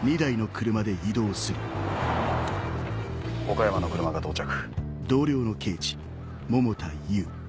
岡山の車が到着。